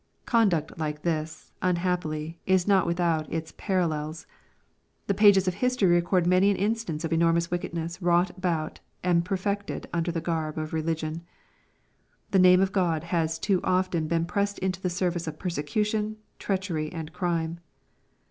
Conduct like this, unhappily, is not without its paral lels. The pages of history record many an instance of enormous wickedness wrought out and perfected under the garb of religion. The name of God has too often been pressed into the service of persecution, treachery, and crime.